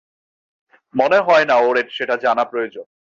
মনে হয় না ওর সেটা জানা প্রয়োজন।